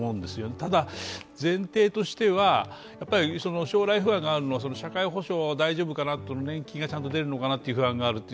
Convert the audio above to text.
ただ、前提としては将来不安があるのは社会保障が大丈夫かなとか年金がちゃんと出るのかなという不安がある。